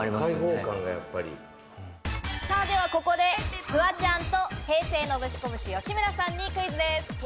ではここで、フワちゃんと平成ノブシコブシ・吉村さんにクイズです。